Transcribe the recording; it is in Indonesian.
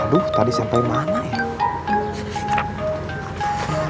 aduh tadi sampai mana ya